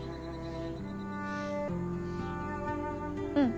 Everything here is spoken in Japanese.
うん